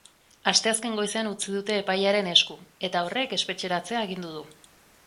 Asteazken goizean utzi dute epailearen esku, eta horrek espetxeratzea agindu du.